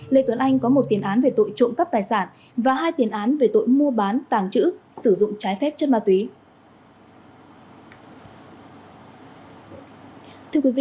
lê tuấn anh có một tiền án về tội trộm cắp tài sản và hai tiền án về tội mua bán tàng trữ sử dụng trái phép chất ma túy